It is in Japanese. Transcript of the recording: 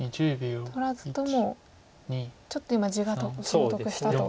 取らずともちょっと今地を得したと。